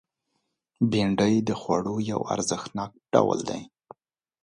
بېنډۍ د خوړو یو ارزښتناک ډول دی